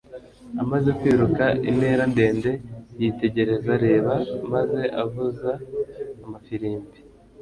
Amaze kwiruka intera ndende yitegereza Reba maze avuza amafirimbi